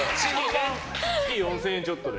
月４０００円ちょっとで。